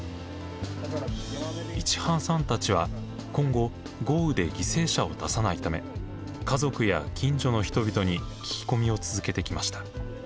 市花さんたちは今後豪雨で犠牲者を出さないため家族や近所の人々に聞き込みを続けてきました。